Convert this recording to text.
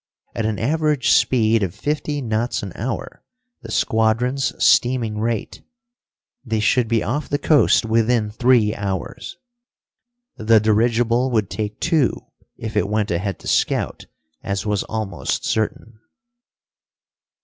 At an average speed of fifty knots an hour, the squadron's steaming rate, they should be off the coast within three hours. The dirigible would take two, if it went ahead to scout, as was almost certain.